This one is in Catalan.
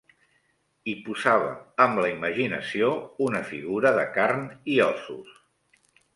Hi posava amb la imaginació una figura de carn i ossos.